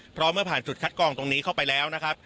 เพราะเมื่อผ่านจุดคัดกองตรงนี้เข้าไปแล้วนะครับ